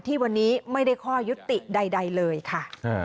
ที่วันนี้ไม่ได้ข้อยุติใดเลยค่ะ